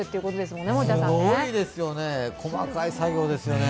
すごいですよね、細かい作業ですよね。